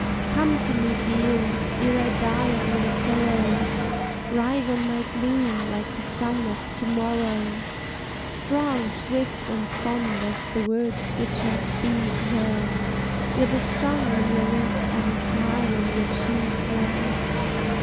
Come to me, dear, ere I die of my sorrow, Rise on my gloom like the sun of to morrow; Strong, swift, and fond as the words which I speak, love, With a song on your lip and a smile on your cheek, love.